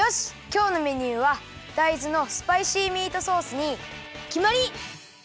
きょうのメニューはだいずのスパイシーミートソースにきまり！